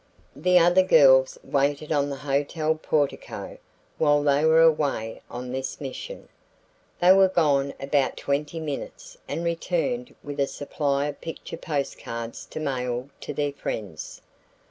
The other girls waited on the hotel portico while they were away on this mission. They were gone about twenty minutes and returned with a supply of picture postcards to mail to their friends.